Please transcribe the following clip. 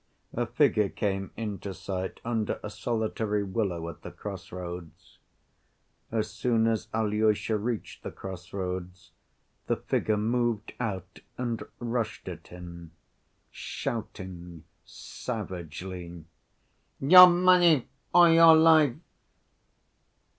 A figure came into sight under a solitary willow at the cross‐roads. As soon as Alyosha reached the cross‐ roads the figure moved out and rushed at him, shouting savagely: "Your money or your life!"